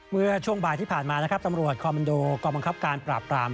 เมื่อช่วงบ่ายที่ผ่านมานะครับตำรวจคอมมันโดกองบังคับการปราบปราม